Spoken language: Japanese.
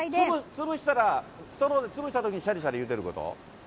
潰したら、潰したときにしゃりしゃりいうてること？